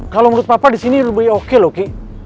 kalau menurut papa disini lebih oke loh ki